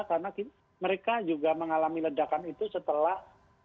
karena mereka juga mengalami ledakan itu setelah